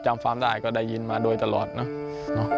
จำความได้ก็ได้ยินมาโดยตลอดนะ